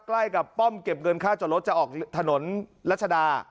ใกล้กับป้อมเก็บเงินค่าจอดรถจะออกถนนรัชดา